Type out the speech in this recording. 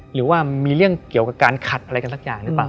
หรือว่ามีเรื่องเกี่ยวกับการขัดอะไรกันสักอย่างหรือเปล่า